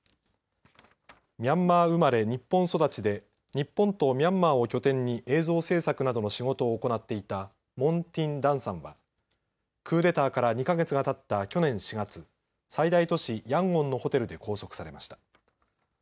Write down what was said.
ミャンマー生まれ日本育ちで日本とミャンマーを拠点に映像制作などの仕事を行っていたモン・ティン・ダンさんはクーデターから２か月がたった去年４月、最大都市ヤンゴンのホテルで拘束されました。